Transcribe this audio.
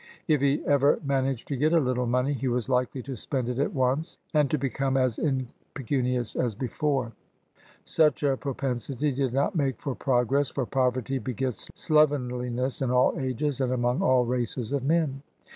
If he ever managed to get a little money, he was likely to spend it at once and to become as impecunious as before. Such a propensity did not make for progress, for poverty begets slovenliness in all ages and among all races of men.